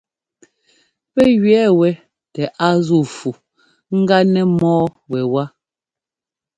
Pɛ́ gẅɛɛ wɛ tɛ a zúu fu ŋgá nɛ mɔ́ɔ wɛwá.